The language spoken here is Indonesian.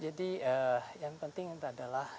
jadi yang penting itu adalah